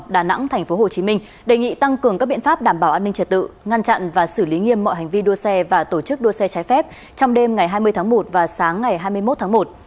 đà nẵng tp hcm đề nghị tăng cường các biện pháp đảm bảo an ninh trật tự ngăn chặn và xử lý nghiêm mọi hành vi đua xe và tổ chức đua xe trái phép trong đêm ngày hai mươi tháng một và sáng ngày hai mươi một tháng một